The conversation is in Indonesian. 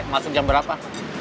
masuk jam berapa